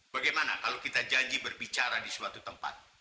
bagaimana kalau kita janji berbicara di suatu tempat